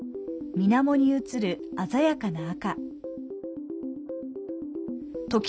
水面に映る鮮やかな赤。